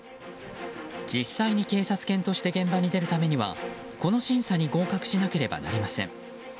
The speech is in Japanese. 実際に警察犬として現場に出るためにはこの審査に合格しなければなりません。